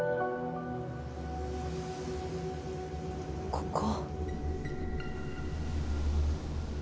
ここ。